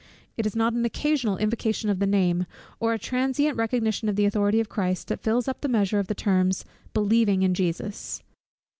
It is not an occasional invocation of the name, or a transient recognition of the authority of Christ, that fills up the measure of the terms, believing in Jesus.